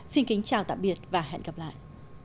xin chào tạm biệt và hẹn gặp lại